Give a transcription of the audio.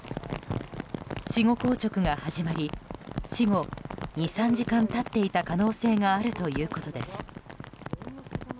死後硬直が始まり死後２３時間経っていた可能性があるということです。